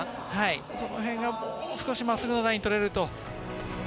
そのへんがもう少し真っすぐなライン取れると。